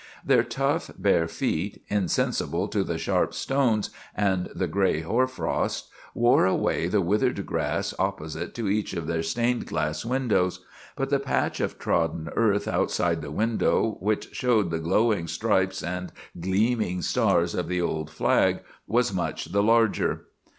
Their tough, bare feet, insensible to the sharp stones and the gray hoar frost, wore away the withered grass opposite to each of their stained glass windows; but the patch of trodden earth outside the window which showed the glowing stripes and gleaming stars of the old flag was much the larger.